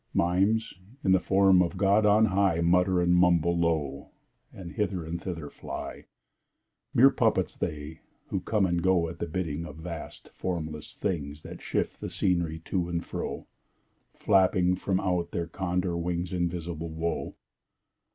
Mimes, in the form of God on high, Mutter and mumble low, And hither and thither fly— Mere puppets they, who come and go At bidding of vast formless things That shift the scenery to and fro, Flapping from out their Condor wings Invisible Woe!